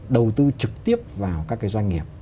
đầu tư trực tiếp vào các cái doanh nghiệp